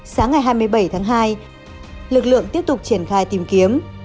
sáng ngày hai mươi bảy tháng hai lực lượng tiếp tục triển khai tìm kiếm